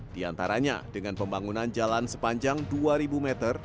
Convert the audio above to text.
di antaranya dengan pembangunan jalan sepanjang dua ribu meter